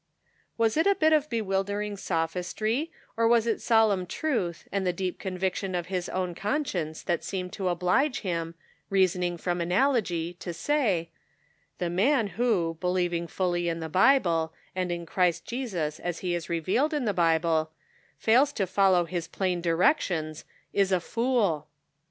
Was it a bit of bewildering sophistry, or was it solemn truth and the deep conviction of his own conscience that seemed to oblige him, "They Are Not Wise:' 177 reasoning from analogy, to say :" The man who, believing fully in the Bible, and in Christ as he is revealed in the Bible, fails to follow his plain directions, is a fool